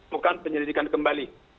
bukan penyelidikan kembali